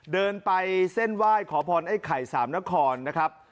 เดินไปเส้นไหว้ขอพรไอ้ไข่สามนครนะครับ